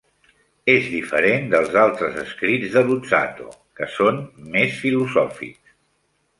És diferent dels altres escrits de Luzzato, que són més filosòfics.